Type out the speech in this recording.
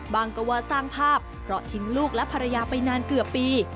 ว่าก็ว่าสร้างภาพเพราะทิ้งลูกและภรรยาไปนานเกือบปี